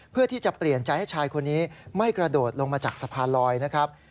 เพื่อที่จะเปลี่ยนใจให้ชายคนนี้ไม่กระโดดลงมาจากสะพานลอยนะครับ